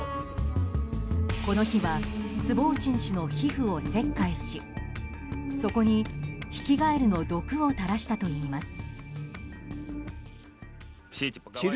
この日はスボーチン氏の皮膚を切開しそこにヒキガエルの毒を垂らしたといいます。